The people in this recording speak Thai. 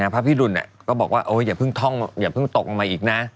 พระพี่ดุลก็บอกว่าอย่าเพิ่งตกออกมาอีกนะ